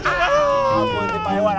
kabur pak iwan